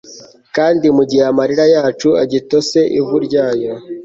kandi, mugihe amarira yacu agitose ivu ryayo